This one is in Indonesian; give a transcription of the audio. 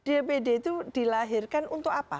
iya dbd itu dilahirkan untuk apa